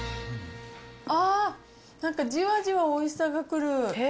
あー、なんかじわじわおいしさがくる。